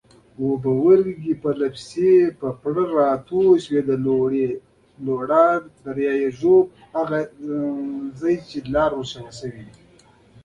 دوی هم د روغتیايي خدمتونو له ډېرو اسانتیاوو څخه بې برخې دي.